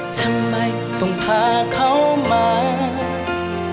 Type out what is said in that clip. ทำไมต้องพาเขามา